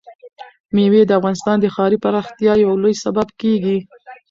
مېوې د افغانستان د ښاري پراختیا یو لوی سبب کېږي.